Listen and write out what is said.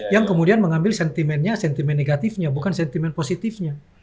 yang kemudian mengambil sentimennya sentimen negatifnya bukan sentimen positifnya